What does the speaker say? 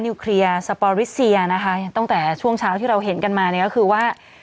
เคลียร์สปอริสเซียนะคะตั้งแต่ช่วงเช้าที่เราเห็นกันมาเนี่ยก็คือว่า